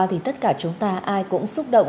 thì tất cả chúng ta ai cũng xúc động